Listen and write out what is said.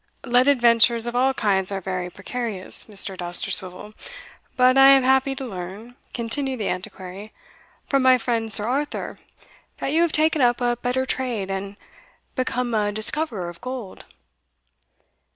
"Lead adventures of all kinds are very precarious, Mr. Dousterswivel; but I am happy to learn," continued the Antiquary, "from my friend Sir Arthur, that you have taken up a better trade, and become a discoverer of gold."